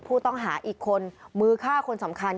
ผู้ต้องหาอีกคนมือฆ่าคนสำคัญ